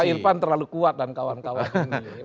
pak irfan terlalu kuat dan kawan kawan